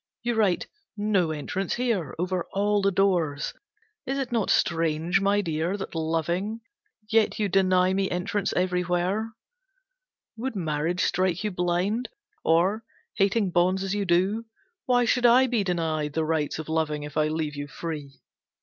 You write `No Entrance Here', over all the doors. Is it not strange, my Dear, that loving, yet you deny me entrance everywhere. Would marriage strike you blind, or, hating bonds as you do, why should I be denied the rights of loving if I leave you free?